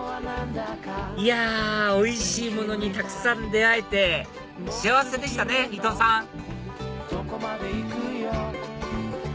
いやおいしいものにたくさん出会えて幸せでしたね伊藤さん！